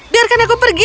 biarkan aku pergi